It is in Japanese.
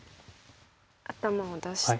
頭を出して。